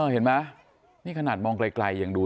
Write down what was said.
เห็นไหมนี่ขนาดมองไกลยังดู